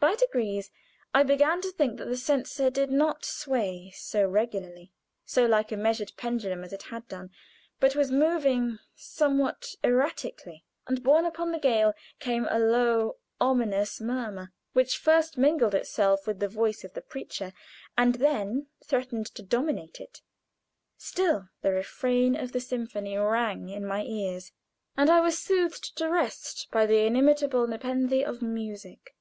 By degrees I began to think that the censer did not sway so regularly, so like a measured pendulum as it had done, but was moving somewhat erratically, and borne upon the gale came a low, ominous murmur, which first mingled itself with the voice of the preacher, and then threatened to dominate it. Still the refrain of the symphony rang in my ears, and I was soothed to rest by the inimitable nepenthe of music.